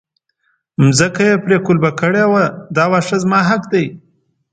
ځمکه یې پرې قلبه کړې وه دا واښه زما حق دی.